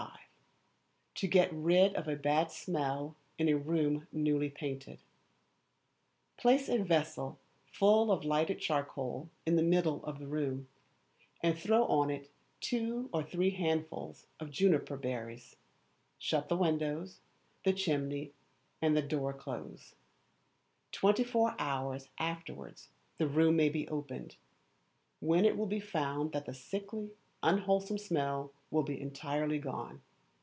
To Get Rid of a Bad Smell in a Room Newly Painted. Place a vessel full of lighted charcoal in the middle of the room, and throw on it two or three handfuls of juniper berries, shut the windows, the chimney, and the door close; twenty four hours afterwards, the room may be opened, when it will be found that the sickly, unwholesome smell will be entirely gone.